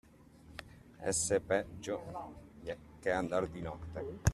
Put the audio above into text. Essere peggio che andar di notte.